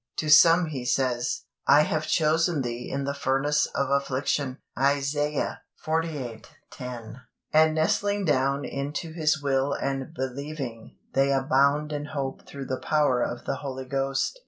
To some He says: "I have chosen thee in the furnace of affliction" (Isaiah xlviii 10), and nestling down into His will and "believing," they "abound in hope through the power of the Holy Ghost."